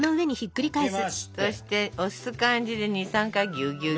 そして押す感じで２３回ぎゅぎゅっと。